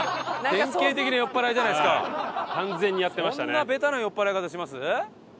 そんなベタな酔っ払い方します？